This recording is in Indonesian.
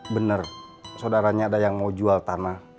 benar saudaranya ada yang mau jual tanah